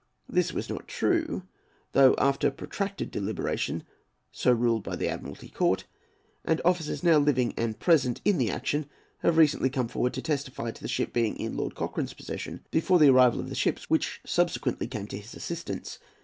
This was not true, though after protracted deliberation so ruled by the Admiralty Court, and officers now living and present in the action have recently come forward to testify to the ship being in Lord Cochrane's possession before the arrival of the ships which subsequently came to his assistance.